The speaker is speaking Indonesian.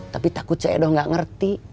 tapi takut seyado gak ngerti